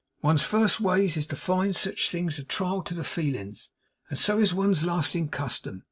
'One's first ways is to find sich things a trial to the feelings, and so is one's lasting custom.